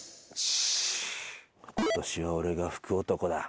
今年は俺が福男だ。